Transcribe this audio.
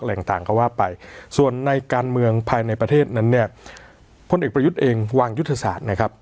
ต่างต่างก็ว่าไปส่วนในการเมืองภายในประเทศนั้นเนี่ยพลเอกประยุทธ์เองวางยุทธศาสตร์นะครับ